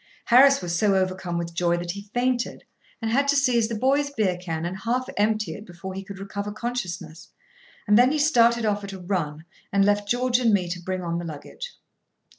Harris was so overcome with joy that he fainted, and had to seize the boy's beer can and half empty it before he could recover consciousness, and then he started off at a run, and left George and me to bring on the luggage.